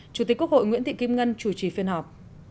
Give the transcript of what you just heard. chủ tịch quốc hội nguyễn thị kim ngân chủ trì phiên họp